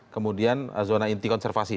kemudian zona inti konservasi